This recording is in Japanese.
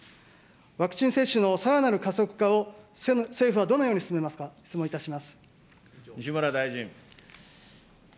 ワクチン接種のさらなる加速化を政府はどのように進めますか、質西村大臣。